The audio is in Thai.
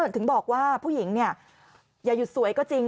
ถึงบอกว่าผู้หญิงอย่าหยุดสวยก็จริง